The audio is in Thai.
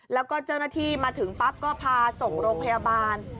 แล้วก็เจ้าหน้าที่มาถึงปั๊บก็พาส่งโรงพยาบาล